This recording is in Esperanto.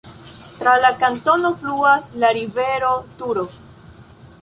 Tra la kantono fluas la rivero Turo.